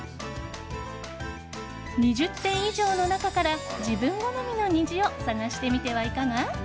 ２０点以上の中から自分好みの虹を探してみてはいかが？